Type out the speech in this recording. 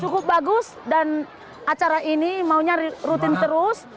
cukup bagus dan acara ini maunya rutin terus